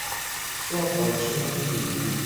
So avo co nududu.